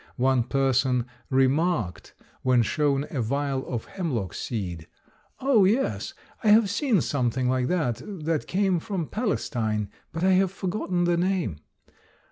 One person remarked, when shown a vial of hemlock seed, "O yes, I have seen something like that, that came from Palestine, but I have forgotten the name."